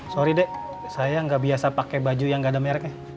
sorry de saya nggak biasa pakai baju yang nggak ada mereknya